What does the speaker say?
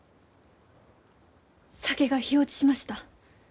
酒が火落ちしました。